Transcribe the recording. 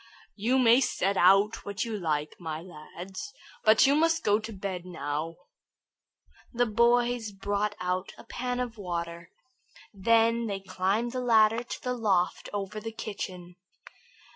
"You may set out what you like, my lad, but you must go to bed now." The boys brought out a pan of water. Then they climbed the ladder to the loft over the kitchen.